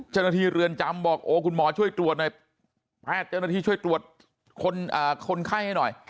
เรือนจำบอกโอ้คุณหมอช่วยตรวจหน่อยแพทย์เจ้าหน้าที่ช่วยตรวจคนไข้ให้หน่อย